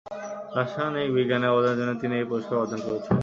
রাসায়নিক বিজ্ঞানে অবদানের জন্য তিনি এই পুরস্কার অর্জন করেছিলেন।